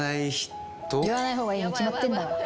言わない方がいいに決まってんだから。